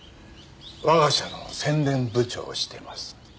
我が社の宣伝部長をしています。